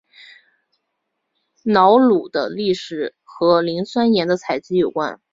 瑙鲁的历史和磷酸盐的采集有关。